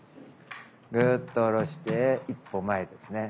ぐっと下ろして１歩前ですね。